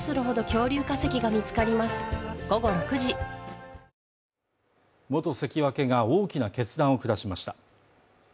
アサヒの緑茶「颯」元関脇が大きな決断を下しました。